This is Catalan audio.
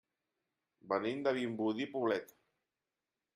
Venim de Vimbodí i Poblet.